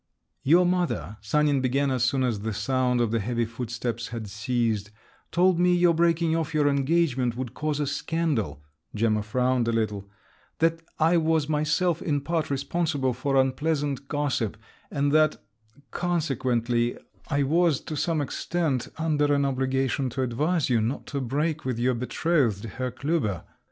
"Your mother," Sanin began, as soon as the sound of the heavy footsteps had ceased, "told me your breaking off your engagement would cause a scandal"—Gemma frowned a little—that I was myself in part responsible for unpleasant gossip, and that … consequently … I was, to some extent, under an obligation to advise you not to break with your betrothed, Herr Klüber…."